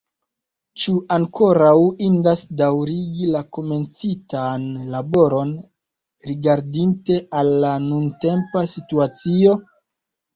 Ĉu ankoraŭ indas daŭrigi la komencitan laboron rigardinte al la nuntempa situacio?